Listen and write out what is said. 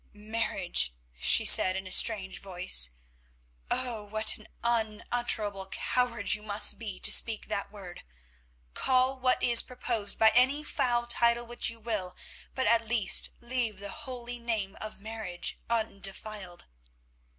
"Marriage," she said in a strange voice. "Oh! what an unutterable coward you must be to speak that word. Call what is proposed by any foul title which you will, but at least leave the holy name of marriage undefiled."